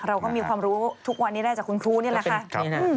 เราก็มีความรู้ทุกวันนี้ได้จากคุณครูนี่แหละค่ะ